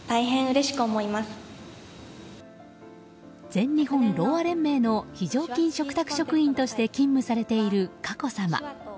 全日本ろうあ連盟の非常勤嘱託職員として勤務されている佳子さま。